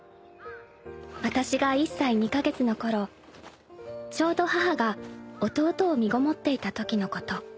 ［私が１歳２カ月のころちょうど母が弟を身ごもっていたときのこと］